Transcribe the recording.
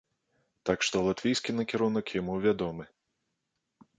Так што латвійскі накірунак яму вядомы.